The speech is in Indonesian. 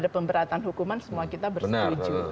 pemberatan hukuman semua kita bersetuju